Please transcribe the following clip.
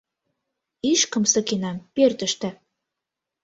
Ишкыш сакенам, пӧртыштӧ.